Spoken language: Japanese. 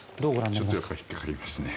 ちょっと引っかかりますね。